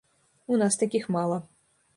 У нас такіх мала.